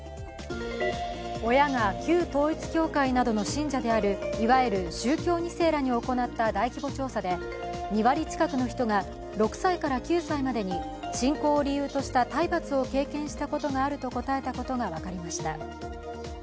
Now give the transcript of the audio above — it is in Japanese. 親が旧統一教会などの信者である、いわゆる宗教２世らに行った大規模調査で、２割近くの人が６歳から９歳までに信仰を理由とした体罰を経験したことがあると答えました。